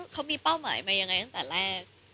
เขามีเป้าหมายมายังไงตั้งแต่แรก